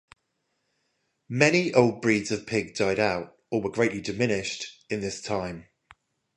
Many old breeds of pig died out, or were greatly diminished, in this time.